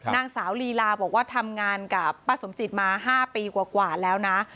นางสาวลีลาบอกว่าทำงานกับป้าสมจิตมา๕ปีกว่าแล้วนะ